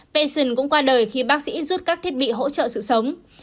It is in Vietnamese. passion cũng qua đời khi bác sĩ rút các thiết bị hỗ trợ sự sống